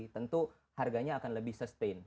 tentu harganya akan lebih sustain